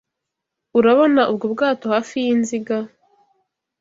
Urabona ubwo bwato hafi yizinga?